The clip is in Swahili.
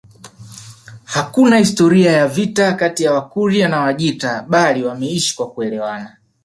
Hakuna historia ya vita kati ya Wakurya na Wajita bali wameishi kwa kuelewana